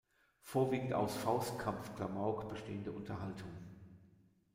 Vorwiegend aus Faustkampf-Klamauk bestehende Unterhaltung.